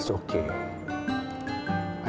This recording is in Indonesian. kalau duduk dekat dengan bu nawang